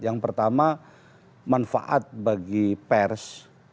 yang pertama manfaat bagi pers